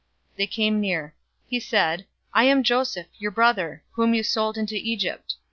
They came near. "He said, I am Joseph, your brother, whom you sold into Egypt.